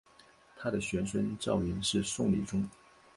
他的玄孙赵昀是宋理宗。